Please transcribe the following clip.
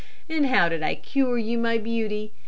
And how did I cure you, my beauty?